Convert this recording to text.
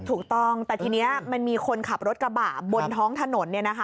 ถูกต้องแต่ทีนี้มันมีคนขับรถกระบะบนท้องถนน